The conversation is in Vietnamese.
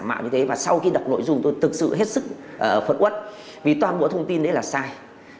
mạo như thế và sau khi đọc nội dung tôi thực sự hết sức phấn quất vì toàn bộ thông tin đấy là sai